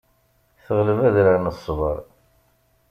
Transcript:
Teɣleb adrar n ṣṣber.